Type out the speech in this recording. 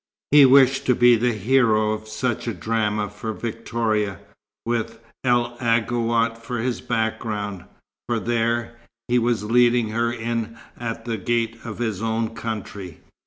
He wished to be the hero of such a drama for Victoria, with El Aghouat for his background; for there, he was leading her in at the gate of his own country.